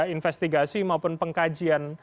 investigasi maupun pengkajian